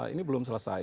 ini belum selesai